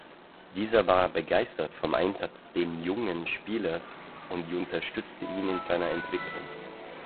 Dieser war begeistert vom Einsatz den jungen Spielers und unterstützte ihn in seiner Entwicklung.